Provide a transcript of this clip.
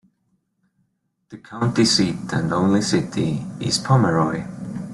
The county seat and only city is Pomeroy.